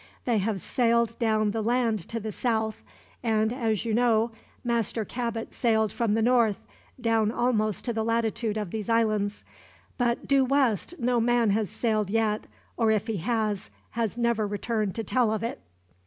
They have sailed down the land to the south and, as you know, Master Cabot sailed from the north, down almost to the latitude of these islands; but due west no man has sailed yet, or if he has, has never returned to tell of it."